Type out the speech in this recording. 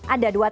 ada dua tahun